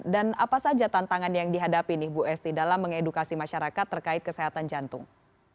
dan apa saja tantangan yang dihadapi nih bu esti dalam mengedukasi masyarakat terkait kesehatan jantung